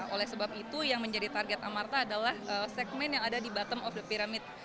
oleh sebab itu yang menjadi target amarta adalah segmen yang ada di bottom of the piramid